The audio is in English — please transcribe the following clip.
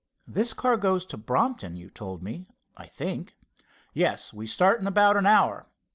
"This car goes to Brompton you told me, I think?" "Yes, we start in about an hour."